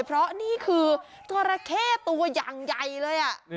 เพราะนี่คือจราเข้ตัวอย่างใหญ่เลย